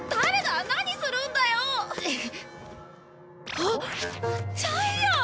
あっジャイアン！